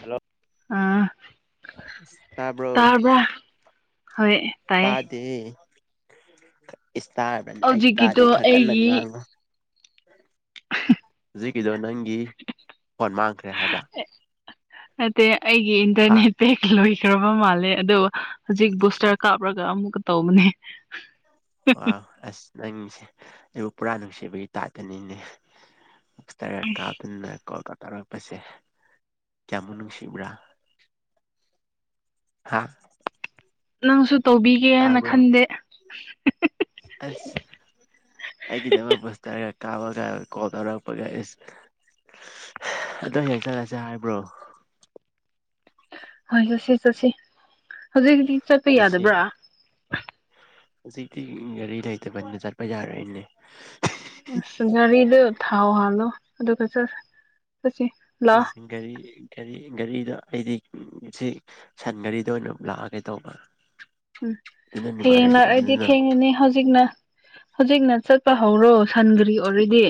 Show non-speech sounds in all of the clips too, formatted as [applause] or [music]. hello ꯑꯥ ꯇꯥꯕ꯭ꯔꯣ ꯇꯥꯕ꯭ꯔꯥ ꯍꯣꯏ ꯇꯥꯏꯌꯦ ꯇꯥꯗꯦ ꯏꯁ ꯇꯥꯔꯕ꯭ꯔꯅ ꯑꯩ ꯇꯥꯗꯦ ꯍꯧꯖꯤꯛꯀꯤꯗꯣ ꯈꯔ ꯀꯟꯅ ꯑꯩꯒꯤ ꯉꯥꯡꯉꯨ ꯍꯧꯖꯤꯛꯀꯤꯗꯣ ꯅꯪꯒꯤ ꯐꯣꯟ ꯃꯥꯡꯈ꯭ꯔꯦ ꯍꯥꯏꯕ ꯅꯠꯇꯦ ꯑꯩꯒꯤ ꯍꯥ ꯏꯟꯇꯔꯅꯦꯠ ꯄꯦꯛ ꯂꯣꯏꯈ꯭ꯔꯕ ꯃꯥꯜꯂꯦ ꯑꯗꯣ ꯍꯧꯖꯤꯛ ꯕꯨꯁꯇꯔ ꯀꯥꯞꯔꯒ ꯑꯃꯨꯛꯀ ꯇꯧꯕꯅꯦ [inaudible] ꯑꯥ ꯑꯁ ꯅꯪꯁꯦ ꯑꯩꯕꯨ ꯄꯨꯔꯥ ꯅꯨꯡꯁꯤꯕꯒꯤ ꯇꯥꯏꯞꯇꯅꯤꯅꯦ ꯇꯔꯒ ꯑꯁ ꯀꯥꯞꯇꯨꯅ ꯀꯣꯜꯒ ꯇꯧꯔꯛꯄꯁꯦ ꯀꯌꯥꯃꯨꯛ ꯅꯨꯡꯁꯤꯕ꯭ꯔꯥ ꯍꯥꯥ ꯅꯪꯁꯨ ꯇꯧꯕꯤꯒꯦꯅ ꯈꯟꯗꯦ ꯑꯁ ꯑꯩꯒꯤꯗꯃꯛ ꯕꯨꯁꯇꯔꯒ ꯀꯥꯞꯄꯒ ꯀꯣꯜ ꯇꯧꯔꯛꯄꯒ ꯎꯁ ꯑꯗꯣ ꯌꯦꯡꯆꯜꯂꯁꯦ ꯍꯥꯏꯕ꯭ꯔꯣ ꯍꯣꯏ ꯆꯠꯁꯤ ꯆꯠꯁꯤ ꯍꯧꯖꯤꯛꯇꯤ ꯆꯠꯄ ꯉꯁꯤ ꯌꯥꯗꯕ꯭ꯔꯥ ꯍꯧꯖꯤꯛꯇꯤ ꯒꯥꯔꯤ ꯂꯩꯇꯕꯅꯤꯅ ꯆꯠꯄ ꯌꯥꯔꯣꯏꯅꯦ ꯑꯁ ꯒꯥꯔꯤꯗꯣ ꯊꯥꯎ ꯍꯥꯜꯂꯣ ꯑꯗꯨꯒ ꯆꯠ ꯆꯠꯁꯤ ꯂꯥꯛꯑꯣ ꯒꯥꯔꯤ ꯒꯥꯔꯤ ꯒꯥꯔꯤꯗꯣ ꯑꯩꯗꯤ ꯆꯤꯛ ꯁꯟꯒꯥꯔꯤꯗꯣ ꯑꯣꯏꯅ ꯂꯥꯛꯑꯒꯦ ꯇꯧꯕ ꯎꯝ ꯑꯗꯨꯅ ꯍꯌꯦꯡ ꯅꯨꯡꯉꯥꯏꯔꯣꯏꯗ꯭ꯔꯥ ꯂꯥꯛꯑꯗꯤ ꯑꯗꯨꯅ ꯊꯦꯡꯉꯅꯤ ꯍꯧꯖꯤꯛꯅ ꯍꯧꯖꯤꯛꯅ ꯆꯠꯄ ꯍꯧꯔꯣ ꯁꯟ ꯒꯔꯤ ꯑꯣꯏꯔꯗꯤ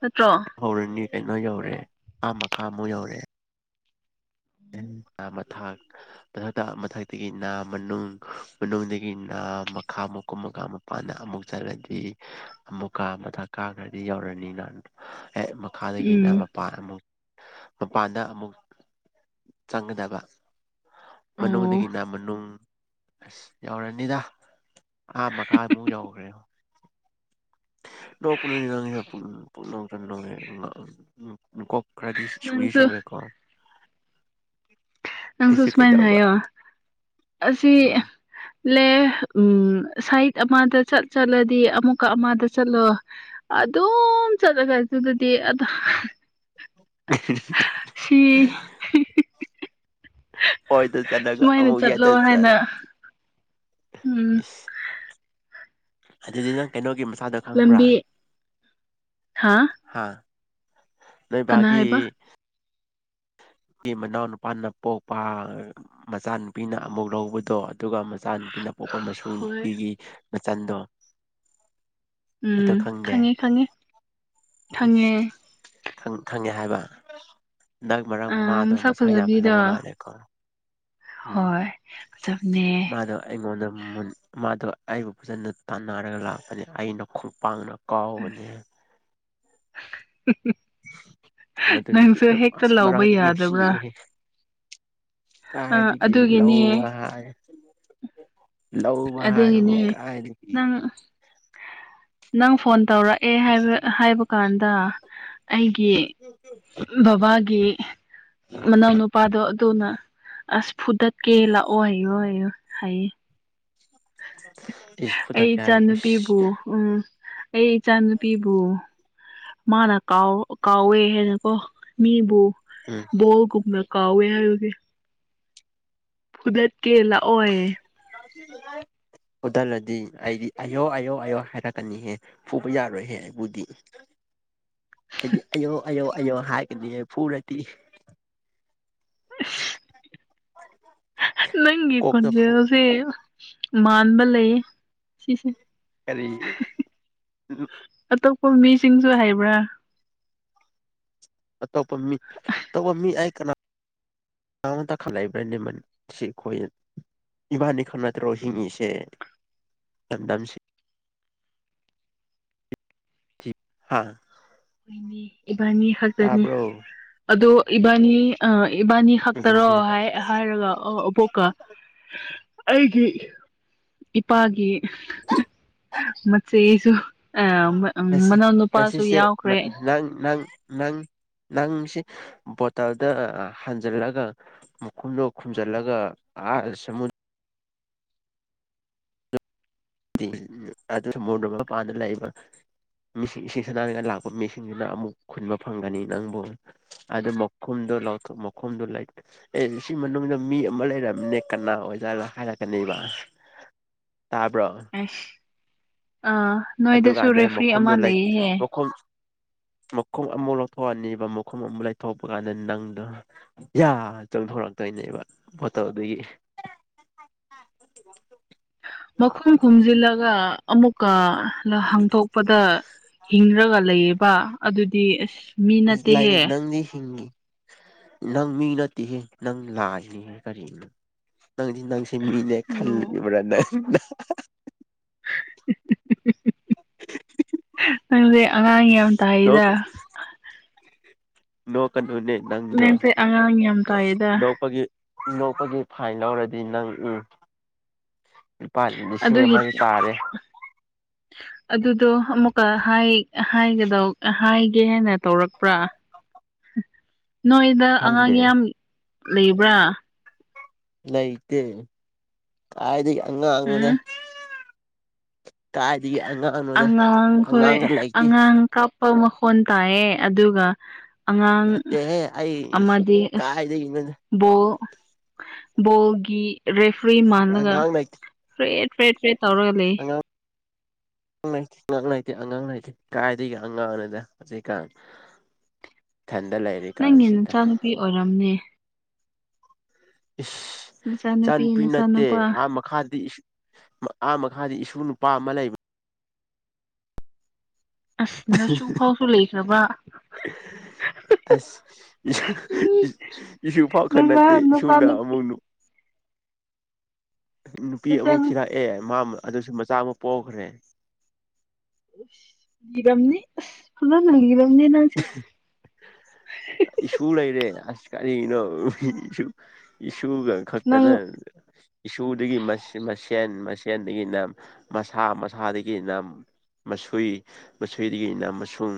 ꯅꯠꯇ꯭ꯔꯣ ꯍꯧꯔꯅꯤ ꯀꯩꯅꯣ ꯌꯧꯔꯦ ꯑꯥ ꯃꯈꯥꯃꯨꯛ ꯌꯧꯔꯦ ꯥꯇꯦ ꯑꯥ ꯃꯊꯥꯛ ꯃꯊꯛꯇ ꯃꯊꯛꯇꯒꯤ ꯅꯥ ꯃꯅꯨꯡ ꯃꯅꯨꯡꯗꯒꯤ ꯅꯥ ꯃꯈꯥ ꯃꯨꯛ ꯀꯨꯝꯃꯒ ꯑꯃꯨꯛ ꯃꯄꯥꯥꯟꯗ ꯑꯃꯨꯛ ꯆꯠꯂꯗꯤ ꯑꯃꯨꯛꯀꯥ ꯃꯊꯛ ꯀꯥꯈ꯭ꯔꯗꯤ ꯌꯧꯔꯅꯤꯅ ꯈꯥꯗꯒꯤꯅ ꯎꯝ ꯃꯄꯥꯟ ꯑꯃꯨꯛ ꯃꯄꯥꯟꯗ ꯑꯃꯨꯛ ꯆꯪꯒꯗꯕ ꯑꯣ ꯃꯅꯨꯡꯗꯒꯤꯅ ꯃꯅꯨꯡ ꯑꯁ ꯌꯧꯔꯅꯤꯗ ꯑꯍꯥ ꯃꯈꯥꯃꯨꯛ ꯌꯧꯈ꯭ꯔꯦ ꯅꯣꯄꯅꯤ ꯅꯪꯖꯨ ꯄꯨꯡꯅꯣꯛꯇ ꯅꯣꯛꯑꯦ ꯀꯣꯈ꯭ꯔꯥꯗꯤ ꯁꯨꯏ ꯅꯪꯁꯨ ꯁꯨꯋꯦꯀꯣ ꯅꯪꯁꯨ ꯑꯩꯁꯨ ꯁꯨꯃꯥꯏꯅ ꯀꯩꯗꯧꯕ ꯍꯥꯏꯌꯣ ꯑꯁꯤ ꯎꯝ ꯂꯦ ꯎꯝ ꯁꯥꯏꯠ ꯑꯃꯗ ꯆꯠ ꯆꯠꯂꯗꯤ ꯑꯃꯨꯛꯀꯥ ꯑꯃꯗ ꯆꯠꯂꯣ ꯑꯗꯨꯝ ꯆꯠꯂꯒ ꯑꯗꯨꯗꯗꯤ [unintelligible] ꯁꯤ [unintelligible] ꯍꯣꯏꯗ ꯆꯠꯂꯒ ꯁꯨꯃꯥꯏꯅ ꯑꯃꯨꯛ ꯆꯠꯂꯣ ꯌꯥꯗ ꯆꯠ ꯍꯥꯏꯅ ꯎꯝ ꯑꯗꯨꯗꯤ ꯅꯪ ꯀꯩꯅꯣꯒꯤ ꯃꯆꯥꯗ ꯂꯝꯕꯤ ꯍꯥ ꯍꯥꯥ ꯅꯣꯏ ꯀꯅꯥ ꯕꯥꯒꯤ ꯍꯥꯏꯕ ꯒꯤ ꯃꯅꯥꯎ ꯅꯨꯄꯥꯅ ꯄꯣꯛꯄ ꯃꯆꯥꯅꯨꯄꯤꯅ ꯑꯃꯨꯛ ꯂꯧꯕꯗꯣ ꯑꯗꯨꯒ ꯃꯆꯥꯅꯨꯄꯤꯅ ꯄꯣꯞꯄ ꯃꯁꯨ ꯍꯣꯏ ꯅꯨꯄꯤꯒꯤ ꯃꯆꯟꯗꯣ ꯑꯗꯣ ꯎꯝ ꯈꯪꯗꯦ ꯈꯪꯉꯦ ꯈꯪꯉꯦ ꯈꯪꯉꯦ ꯈꯪꯉꯦ ꯍꯥꯏꯕ ꯅꯛ ꯃꯔꯛ ꯑ ꯃꯥꯗꯣ ꯃꯁꯛ ꯌꯥꯝ ꯐꯖꯕꯤꯗꯣ ꯐꯖꯕ ꯃꯥꯜꯂꯦꯀꯣ ꯎꯝ ꯍꯣꯏ ꯐꯖꯕꯅꯦ ꯃꯥꯗꯣ ꯑꯩꯉꯣꯟꯗ ꯃꯥꯗꯣ ꯑꯩꯕꯨ ꯐꯖꯅ ꯇꯥꯟꯅꯔꯒ ꯂꯥꯛꯄꯅꯤ ꯑꯩꯅ ꯈꯣꯡꯄꯥꯛꯅ [unintelligible] ꯃꯗꯨ ꯅꯪꯁꯨ ꯅꯨꯄꯤꯗꯣ ꯍꯦꯛꯇ ꯑꯁ ꯂꯧꯕ ꯃꯔꯛꯇ ꯌꯥꯗꯕ꯭ꯔꯥ ꯅꯨꯡꯁꯤꯌꯦꯍꯦ ꯑ ꯀꯥꯏꯗꯒꯤ ꯑꯗꯨꯒꯤꯅꯦ ꯂꯧꯕꯌꯦ ꯂꯧꯕ ꯍꯥꯏꯕꯨ ꯑꯗꯨꯒꯤꯅꯦ ꯀꯥꯏꯗꯒꯤ ꯅꯪ ꯅꯪ ꯐꯣꯟ ꯇꯧꯔꯛꯑꯦ ꯍꯥꯏꯕ ꯀꯥꯟꯗ ꯑꯩꯒꯤ [unintelligible] ꯕꯕꯥꯒꯤ ꯃꯅꯥꯎꯅ ꯅꯨꯄꯥꯗꯣ ꯑꯗꯨꯅ ꯑꯁ ꯐꯨꯗ ꯀꯦꯂ ꯑꯣ ꯍꯥꯏ ꯑꯣ ꯍꯥꯏ ꯍꯥꯏ ꯏꯤꯁꯄꯨ ꯊ ꯑꯩ ꯀꯦ ꯏꯆꯥꯅꯨꯄꯤꯕꯨ ꯎꯝ ꯑꯩ ꯏꯆꯥ ꯅꯨꯨꯄꯤꯕꯨ ꯃꯥꯅ ꯀꯥꯎ ꯀꯥꯎꯋꯦ ꯍꯦꯟꯅꯀꯣ ꯃꯤꯕꯨ ꯎꯝ ꯕꯣꯜꯒꯨꯝꯕ ꯀꯥꯎꯋꯦ ꯍꯥꯏꯒꯤꯦ ꯍꯨꯗꯠꯀꯦ ꯂꯥꯛꯑꯣꯏ [unintelligible] ꯑꯣꯗꯜꯂꯗꯤ ꯑꯩꯗꯤ ꯑꯌꯣ ꯑꯌꯣ ꯑꯌꯣ ꯍꯥꯏꯔꯛꯀꯅꯤꯍꯦ ꯄꯨꯕ ꯌꯥꯔꯣꯏꯍꯦ ꯑꯩꯕꯨꯗꯤ [inaudible] ꯍꯥꯏꯗꯤ ꯑꯌꯧ ꯑꯌꯧ ꯑꯌꯧ ꯍꯥꯏꯔꯒꯗꯤ ꯐꯨꯔꯗꯤ ꯅꯪꯒꯤꯤ ꯀꯣꯛꯇ ꯐꯨ ꯄꯨꯖꯁꯦ ꯃꯥꯟꯕ ꯂꯩꯌꯦ ꯁꯤꯁꯦ ꯀꯔꯤ ꯑꯇꯣꯞꯄ ꯃꯤꯁꯤꯡꯁꯨ ꯍꯥꯏꯕ꯭ꯔꯥ ꯑꯇꯣꯞꯄ ꯃꯤ ꯑꯇꯣꯞꯄ ꯃꯤ ꯍꯥꯏ ꯀꯅꯥ [unintelligible] ꯏꯕꯥꯅꯤ ꯈꯪ ꯅꯠꯇ꯭ꯔꯣ ꯍꯤꯡꯉꯤꯁꯦ ꯌꯥꯝꯗꯝꯁꯦ ꯍꯥ ꯍꯣꯏꯅꯦ ꯏꯕꯥꯅꯤ ꯈꯥꯛꯛꯇꯅꯤ ꯇꯥꯕ꯭ꯔꯣ ꯑꯗꯣ ꯏꯕꯥꯅꯤ ꯑꯥ ꯏꯕꯥꯅꯤ ꯈꯛꯇꯔꯣ ꯉꯁꯤ ꯍꯥꯏ ꯍꯥꯏꯔꯒ ꯑꯣ ꯑꯕꯣꯛꯀꯥ ꯑꯩꯒꯤ ꯏꯄꯥꯒꯤ ꯃꯦꯆꯦꯁꯨ ꯃꯅꯥꯎ ꯅꯨꯄꯥꯁꯨ ꯌꯥꯎ [unintelligible] ꯅꯪ ꯅꯪ ꯅꯪ ꯅꯪꯁꯤ ꯕꯣꯇꯥꯜꯗ ꯍꯥꯟꯖꯜꯂꯒ ꯃꯈꯨꯝꯗꯣ ꯈꯨꯝꯖꯤꯜꯂꯒ ꯑꯥ ꯑꯗꯨ ꯑꯃ ꯄꯥꯅ ꯂꯩꯕ ꯃꯤꯁꯤꯡ ꯏꯁꯤꯡ ꯁꯥꯟꯅꯥꯔꯒ ꯂꯥꯛꯄ ꯃꯤꯁꯤꯡꯁꯤꯅ ꯑꯃꯨꯛ ꯈꯨꯟꯕ ꯐꯪꯒꯅꯤ ꯅꯪꯕꯨ ꯑꯗꯣ ꯃꯈꯨꯝꯗꯨ ꯃꯈꯨꯝꯗꯨꯂꯥꯏ ꯑꯦ ꯁꯤ ꯃꯅꯨꯡꯗ ꯃꯤ ꯑꯃ ꯂꯩꯔꯝꯅꯦ ꯀꯅꯥ ꯑꯣꯏꯖꯥꯠꯅꯣ ꯍꯥꯏꯔꯛꯀꯅꯦꯕ ꯇꯥꯕ꯭ꯔꯣ ꯑꯁ ꯑꯥ ꯅꯣꯏꯗꯁꯨ ꯑꯗꯨꯀꯥꯟꯗ ꯔꯦꯐ꯭ꯔꯤ ꯑꯃ ꯃꯈꯨꯝꯗꯨꯣ ꯂꯩ ꯂꯩꯌꯦꯍꯦ ꯃꯈꯨꯝ ꯃꯈꯨꯝ ꯑꯃꯨꯛ ꯂꯧꯊꯣꯛꯑꯅꯤꯕ ꯃꯈꯨꯝ ꯑꯃꯨꯛ ꯂꯩꯊꯣꯛꯄ ꯀꯥꯟꯗ ꯅꯪꯗꯣ ꯌꯥ ꯆꯣꯡꯊꯣꯔꯛꯇꯣꯏꯅꯦꯕ ꯕꯣꯇꯜꯠꯗꯒꯤ ꯃꯈꯨꯝ ꯈꯨꯝꯖꯤꯜꯂꯒ ꯑꯃꯨꯛꯀꯥ ꯍꯥꯡꯇꯣꯛꯄꯗ ꯍꯤꯡꯔꯒ ꯂꯩꯌꯦꯕ ꯑꯗꯨꯗꯤ ꯑꯁ ꯃꯤ ꯂꯥꯏ ꯅꯠꯇꯦꯍꯦ ꯅꯪꯗꯤ ꯍꯤꯡ ꯅꯪ ꯃꯤ ꯅꯠꯇꯦꯍꯦ ꯅꯪ ꯂꯥꯏꯅꯤꯍꯦ ꯀꯔꯤꯅꯪ ꯅꯪꯗꯤ ꯅꯪ ꯌꯣ [unintelligible] ꯅꯪꯁꯦ ꯑꯉꯥꯡ ꯌꯥꯝ ꯅꯣꯛ ꯇꯥꯏꯗ ꯅꯣꯛꯀꯅꯨꯅꯦ ꯅꯪꯗꯣ ꯅꯪꯁꯦ ꯑꯉꯥꯡ ꯌꯥꯝ ꯇꯥꯏꯗ ꯅꯣꯛꯄꯒꯤ ꯅꯣꯛꯄꯒꯤ ꯐꯥꯏꯟ ꯂꯧꯔꯗꯤ ꯅꯪ ꯎꯝ ꯂꯨꯄꯥ ꯂꯤꯁꯤꯡ ꯑꯗꯨꯒꯤ ꯑꯃꯗꯤ ꯇꯥꯔꯦ ꯑꯗꯨꯗꯣ ꯑꯃꯨꯛꯀꯥ ꯍꯥꯏ ꯍꯥꯏꯒꯗꯧ ꯍꯥꯏꯒꯦ ꯍꯥꯏꯅ ꯇꯧꯔꯛꯄ꯭ꯔꯥ ꯅꯣꯏꯗ ꯑꯉꯥꯡ ꯈꯪꯗꯦ ꯌꯥꯝ ꯂꯩꯕ꯭ꯔꯥ ꯂꯩꯇꯦ ꯀꯥꯏꯗꯒꯤ ꯑꯉꯥꯡꯅꯣ ꯎꯝ ꯑꯉꯥꯡꯅꯣꯗ ꯑꯉꯥꯡ ꯈꯣꯏ ꯑꯉꯥꯡꯒ ꯂꯩꯇꯦ ꯑꯉꯥꯡ ꯀꯣ ꯄꯥꯎ ꯃꯈꯣꯟ ꯇꯥꯏꯌꯦ ꯑꯗꯨꯒ ꯑꯉꯥꯡ ꯅꯠꯇꯦꯍꯦ ꯑꯩ ꯑꯃꯗꯤ ꯑꯁ ꯀꯥꯏꯗꯒꯤꯅꯣ ꯕꯣꯜ ꯕꯣꯜꯒꯤ ꯔꯦꯐ꯭ꯔꯤ ꯃꯥꯜꯂꯒ ꯑꯉꯥꯡ ꯂꯩꯇꯦ ꯐꯔꯦꯠ ꯐꯔꯦꯠ ꯐꯔꯦꯠ ꯇꯧꯔꯒ ꯂꯩ ꯥꯑꯉꯥꯡ ꯂꯩ ꯑꯉꯥꯡ ꯂꯩꯇꯦ ꯑꯉꯥꯡ ꯂꯩꯇꯦ ꯀꯥꯏꯗꯒꯤ ꯑꯉꯥꯡꯅꯣꯗꯥ ꯍꯧꯖꯤꯛꯀꯥꯟ ꯊꯟꯗ ꯂꯩꯌꯤ ꯅꯪꯒꯤ ꯅꯆꯥꯅꯨꯄꯤ ꯑꯣꯏꯔꯝꯅꯤ ꯏꯁ ꯅꯆꯥꯅꯨꯄꯤ ꯏꯆꯥꯅꯨꯄꯤ ꯅꯠꯇꯦ ꯅꯆꯥꯅꯨꯄꯥ ꯑꯥ ꯃꯈꯥꯗꯤ ꯑꯥ ꯃꯈꯥꯗꯤ ꯏꯁꯨ ꯅꯨꯄꯥ ꯑꯃ ꯂꯩꯕ ꯑꯁ ꯅꯥꯁꯨ ꯐꯥꯎꯁꯨ ꯂꯩꯈ꯭ꯔꯕ ꯑꯁ ꯏꯁꯨ ꯏꯁꯨ ꯐꯥꯎ ꯅꯆꯥ ꯈꯛꯅꯠꯇꯦ ꯏꯁꯨꯅ ꯅꯆꯥꯅꯨꯄꯤ ꯑꯃꯨꯛ ꯅꯨꯄꯤ ꯑꯃꯨꯛ ꯅꯆꯥꯅꯨꯄꯤ ꯊꯤꯔꯛꯑꯦ ꯃꯥ ꯑꯗꯨꯁꯨ ꯃꯆꯥ ꯑꯃ ꯄꯣꯛꯈ꯭ꯔꯦ [unintelligible] ꯄꯨ ꯂꯩꯔꯦ ꯑꯁ ꯀꯔꯤꯅꯣ ꯏꯁꯨꯒ ꯅꯪ ꯈꯛꯇꯅꯥ ꯏꯁꯨꯗꯒꯤ ꯃꯁꯦꯟ ꯃꯁꯦꯟꯗꯒꯤꯅ ꯃꯁꯥ ꯃꯁꯥꯗꯒꯤ ꯅꯝ ꯃꯁꯣꯏ ꯃꯁꯣꯏꯗꯒꯤꯅ ꯃꯁꯨꯡ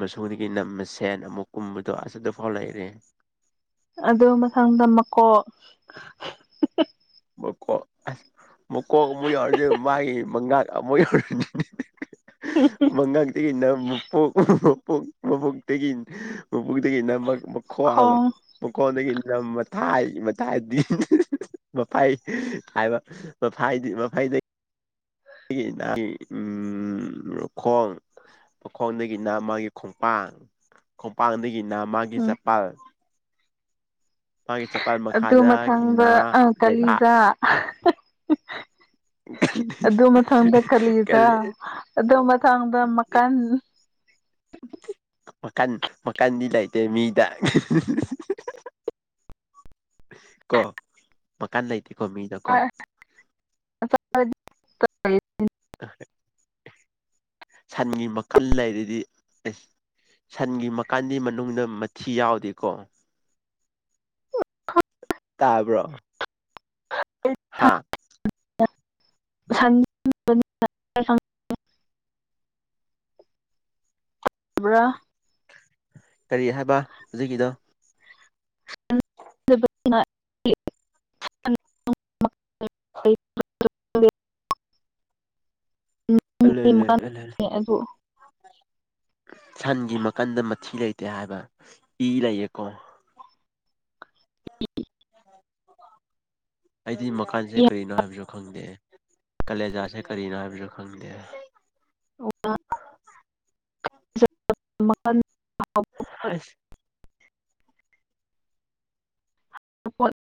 ꯃꯁꯨꯡꯗꯒꯤ ꯃꯁꯦꯟ ꯑꯃꯨꯛ ꯀꯨꯝꯕꯗꯣ ꯑꯗꯨꯐꯥꯎ ꯂꯩꯔꯤ ꯑꯗꯨ ꯃꯊꯪꯗ ꯃꯀꯣꯛ ꯃꯀꯣꯛ ꯑꯁ ꯃꯀꯣꯛ ꯑꯃꯨꯛ ꯌꯥꯎꯔꯗꯤ ꯃꯥꯏ ꯃꯉꯛ ꯑꯃꯨꯛ ꯌꯥꯎꯔꯅꯤ [unintelligible] ꯃꯪꯉꯥꯡꯇ ꯃꯄꯣꯛ ꯃꯄꯣꯛꯇꯒꯤ ꯃꯕꯨꯨꯛꯗꯒꯤꯅ ꯃꯥꯈꯋ꯭ꯥꯡ ꯈꯣꯡ ꯃꯈꯥꯋꯥꯡꯗꯒꯤꯅ ꯃꯊꯥꯏ ꯃꯊꯥꯏꯗꯤ ꯃꯐꯥꯏ ꯍꯥꯏꯕ ꯃꯐꯥꯏꯗꯤ ꯃꯐꯥꯏꯗꯒꯤ ꯑꯗꯒꯤ ꯏ ꯎꯝ ꯃꯈꯣꯡ ꯃꯈꯣꯡꯗꯒꯤꯅ ꯃꯥꯒꯤ ꯈꯣꯡꯄꯥꯡ ꯈꯣꯡꯄꯥꯡꯗꯒꯤꯅꯝꯛ ꯎꯝ [unintelligible] ꯃꯥꯒꯤ ꯆꯄꯥꯜ ꯃꯈꯥ ꯑꯗꯨ ꯃꯊꯪꯗ ꯗꯒꯤꯅꯥ ꯑ ꯂꯩꯕꯥꯛ ꯀꯂꯤꯖꯥ [unintelligible] ꯈꯪꯕ ꯀꯜꯂꯤꯗ ꯑꯗꯨ ꯃꯊꯪꯗ ꯃꯀꯟ ꯃꯀꯟ ꯃꯀꯟꯗꯤ ꯂꯩꯥꯇꯦ ꯃꯤꯗ ꯀꯣ ꯃꯀꯥꯟ ꯂꯩꯇꯦꯀꯣ ꯃꯤꯗ ꯀꯣ [unintelligible] ꯁꯟꯒꯤ ꯃꯈꯜ ꯂꯩꯔꯗꯤ ꯑꯁ ꯁꯟꯒꯤ ꯃꯀꯟꯒꯤ ꯃꯅꯨꯡꯗ ꯃꯊꯤ ꯌꯥꯎꯗꯦꯀꯣ ꯇꯕ꯭ꯔꯣ ꯍꯥꯥ ꯁꯟ [unintelligible] [unintelligible] ꯀꯔꯤ ꯍꯥꯏꯕ ꯍꯧꯖꯤꯛꯀꯤꯗꯣ [unintelligible] [unintelligible] ꯑꯂꯣꯏ ꯂꯣꯏ ꯑꯂꯣꯏ ꯂꯣꯏ ꯁꯟꯒꯤ ꯃꯈꯟꯗ ꯃꯊꯤ ꯂꯩꯇꯦ ꯍꯥꯏꯕ ꯏ ꯂꯩꯌꯦꯀꯣ [unintelligible] ꯑꯩꯗꯤ ꯃꯈꯟꯁꯦ ꯀꯔꯤꯅꯣ ꯍꯥꯏꯕꯁꯨ ꯈꯪꯗꯦ ꯀꯂꯦꯖꯥꯁꯦ ꯀꯔꯤꯅꯣ ꯍꯥꯏꯕꯁꯨ ꯈꯪꯗꯦ [unintelligible] [inaudible] ꯍꯥꯁ [unintelligible]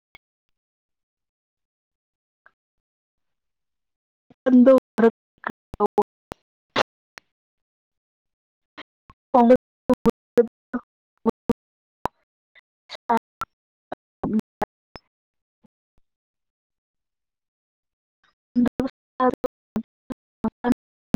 ꯃꯀꯟꯗꯣ [unintelligible] [unintelligible] [inaudible]